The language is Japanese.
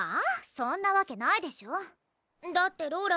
そんなわけないでしょだってローラ